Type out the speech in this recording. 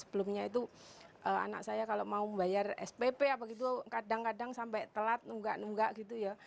sebelumnya itu anak saya kalau mau membayar spp apa gitu kadang kadang sampai telat nunggak nunggak gitu ya